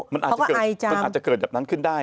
มันอาจจะเกิดแบบนั้นขึ้นได้